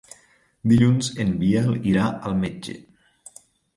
Dilluns en Biel irà al metge.